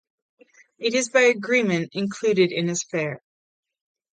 It is by agreement included in his fare.